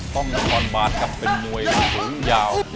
ต้องทอนบาทกลับเป็นมวยถึงยาว